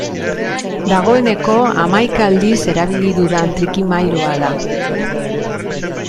Dagoeneko hamaika aldiz erabili dudan trikimailua da.